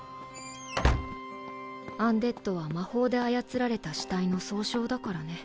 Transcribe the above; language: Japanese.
アンデッドは魔法で操られた死体の総称だからね。